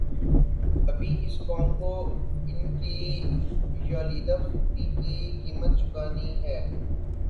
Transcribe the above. ابھی اس قوم کوان کی ژولیدہ فکری کی قیمت چکانی ہے۔